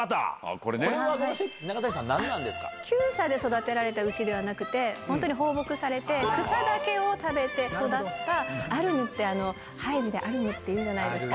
これは中谷さん、きゅう舎で育てられた牛ではなくて、本当に放牧されて、草だけを食べて育った、アルムって、ハイジでアルムって言うじゃないですか。